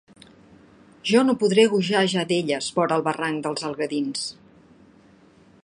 Jo no podré gojar ja d'elles, vora el barranc dels Algadins!